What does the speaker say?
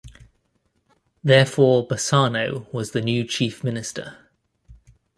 Therefore Bossano was the new Chief Minister.